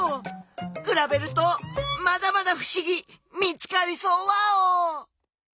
くらべるとまだまだふしぎ見つかりそうワオ！